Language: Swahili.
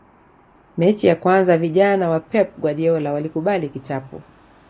mechi ya kwanza vijana wa pep guardiola walikubali kichapo